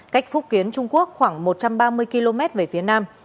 cách phúc kiến trung quốc khoảng một trăm ba mươi km về phía nam